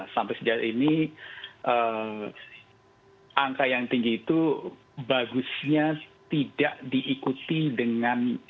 sampai sejak ini angka yang tinggi itu bagusnya tidak diikuti dengan varian yang lain